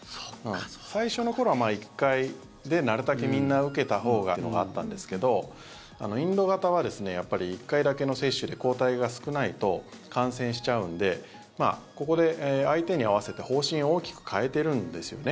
最初の頃は１回でなるたけみんな受けたほうがというのがあったんですけどインド型は１回だけの接種で抗体が少ないと感染しちゃうのでここで相手に合わせて方針を大きく変えているんですよね。